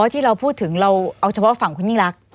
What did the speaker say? อ๋อที่เราพูดถึงเราเอาเฉพาะฝั่งคุณศิลักษณ์